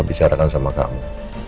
bicarakan sama kamu